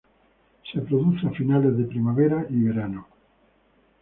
Se produce a finales de primavera y verano.